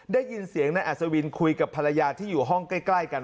ได้ยินเสียงนายอัศวินคุยกับภรรยาที่อยู่ห้องใกล้กัน